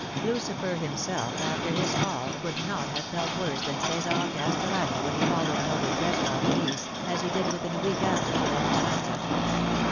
LUCIFER himself after his fall could not have felt worse than C4sar Castellani when he followed Mildred Greswold to IN ice. as he did within a week after she left Pallanza.